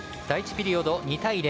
第１ピリオド、２対０。